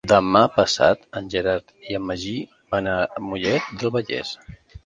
Demà passat en Gerard i en Magí van a Mollet del Vallès.